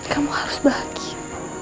kamu harus bahagia